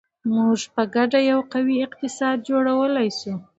موږ په ګډه یو قوي اقتصاد جوړولی شو.